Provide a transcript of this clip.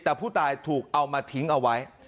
แต่ผู้ตายถูกเอามาทิ้งเอาไว้